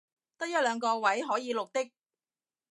得一兩個位可以綠的